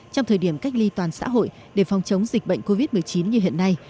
trong thời điểm cách ly toàn xã hội để phòng chống dịch bệnh covid một mươi chín như hiện nay